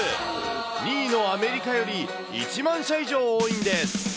２位のアメリカより１万社以上多いんです。